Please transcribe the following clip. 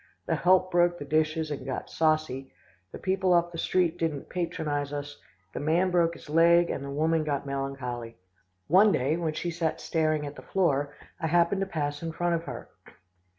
The help broke the dishes, and got saucy, the people off the street didn't patronise us, the man broke his leg, and the woman got melancholy. One day when she sat staring at the floor, I happened to pass in front of her.